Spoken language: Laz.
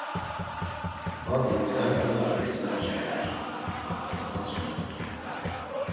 Badi “p̌eyat̆i ar ezmoce vor” p̌art̆a dvatzonert̆u.